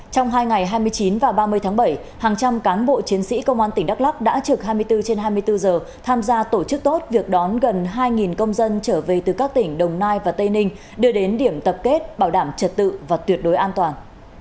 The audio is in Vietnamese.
trong hai ngày hai mươi chín và ba mươi tháng bảy hàng trăm cán bộ chiến sĩ công an tỉnh đắk lắk đã trực hai mươi bốn trên hai mươi bốn giờ tham gia tổ chức tốt việc đón gần hai công dân trở về từ các tỉnh đồng nai và tây ninh đưa đến điểm tập kết bảo đảm trật tự và tuyệt đối an toàn